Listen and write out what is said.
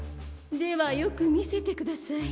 「ではよくみせてください。